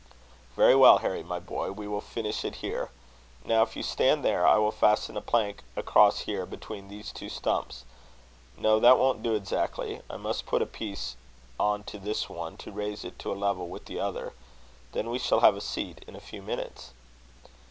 "Very well, Harry, my boy; we will finish it here. Now, if you stand there, I will fasten a plank across here between these two stumps no, that won't do exactly. I must put a piece on to this one, to raise it to a level with the other then we shall have a seat in a few minutes."